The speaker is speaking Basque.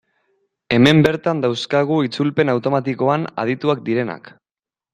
Hemen bertan dauzkagu itzulpen automatikoan adituak direnak.